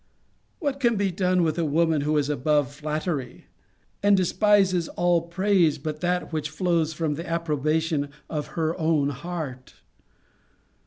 What can be done with a woman who is above flattery, and despises all praise but that which flows from the approbation of her own heart?